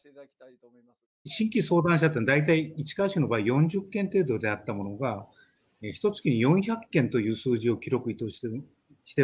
新規相談者って大体市川市の場合４０件程度であったものがひとつきに４００件という数字を記録しております。